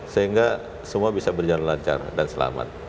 sehingga semua bisa berjalan lancar dan selamat